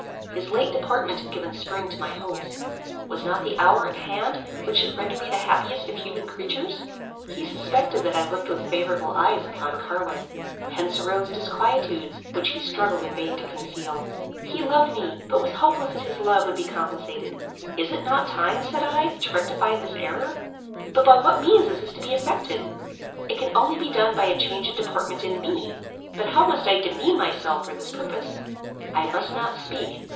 His late deportment had given spring to my hopes. Was not the hour at hand, which should render me the happiest of human creatures? He suspected that I looked with favorable eyes upon Carwin. Hence arose disquietudes, which he struggled in vain to conceal. He loved me, but was hopeless that his love would be compensated. Is it not time, said I, to rectify this error? But by what means is this to be effected? It can only be done by a change of deportment in me; but how must I demean myself for this purpose? I must not speak.